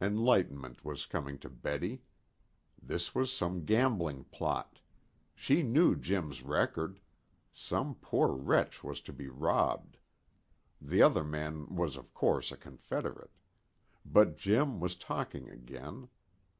Enlightenment was coming to Betty. This was some gambling plot. She knew Jim's record. Some poor wretch was to be robbed. The other man was of course a confederate. But Jim was talking again.